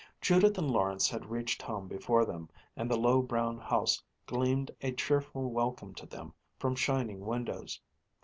Judith and Lawrence had reached home before them, and the low brown house gleamed a cheerful welcome to them from shining windows.